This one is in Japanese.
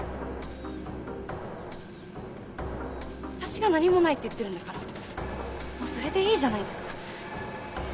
私が何もないって言ってるんだからもうそれでいいじゃないですか。